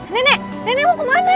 nenek nenek mau kemana